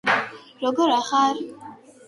დიალექტური განსხვავებები უმნიშვნელოა.